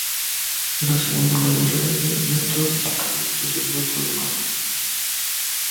Es la segunda mayor red de Metro de España tras el Metro de Madrid.